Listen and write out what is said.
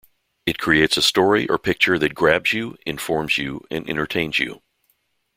It creates a story or picture that grabs you, informs you and entertains you.